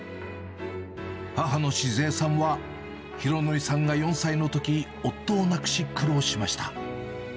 母の静枝さんは、浩敬さんが４歳のとき、夫を亡くし、苦労しました。